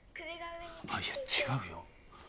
あっいや違うよ。